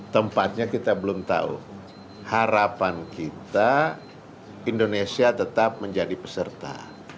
tempatnya kita belum tahu harapan kita indonesia tetap menjadi peserta